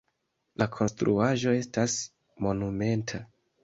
La konstruaĵo estas monumenta.